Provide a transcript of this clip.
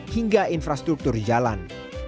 hingga infrastruktur jalan